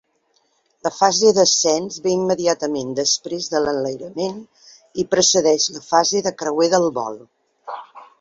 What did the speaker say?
La fase d'ascens ve immediatament després de l'enlairament i precedeix la fase de creuer del vol.